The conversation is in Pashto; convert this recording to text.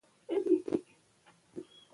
د خوږو دانو مزې ته هک حیران سو